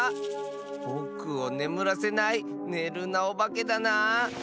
ぼくをねむらせない「ねるなおばけ」だな。